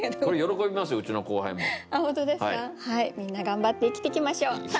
みんな頑張って生きてきましょう。